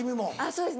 そうです